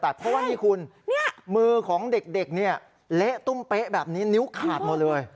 เพราะว่านี่คุณมือของเด็กเนี่ยเละตุ้มเป๊ะแบบนี้นิ้วขาดหมดเลย